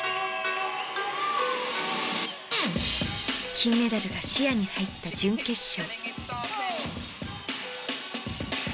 金メダルが視野に入った準決勝。